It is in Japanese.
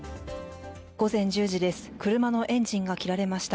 午前１０時です、車のエンジンが切られました。